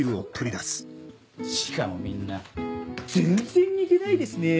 しかもみんな「全然似てないですね」